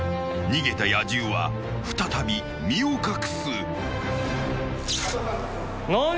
［逃げた野獣は再び身を隠す］